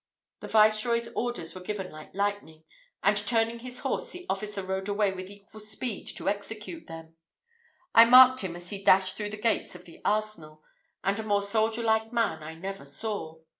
The Viceroy's orders were given like lightning, and turning his horse, the officer rode away with equal speed to execute them. I marked him as he dashed through the gates of the arsenal, and a more soldier like man I never saw.